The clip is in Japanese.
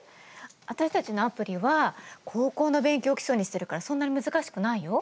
私たちのアプリは高校の勉強を基礎にしてるからそんなに難しくないよ。